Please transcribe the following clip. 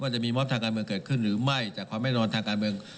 จะมีมอบทางการเมืองเกิดขึ้นหรือไม่จากความแน่นอนทางการเมือง